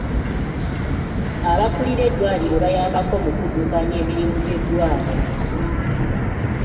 Abakulira eddwaliro bayambako mu kuddukanya emirimu gy'eddwaliro.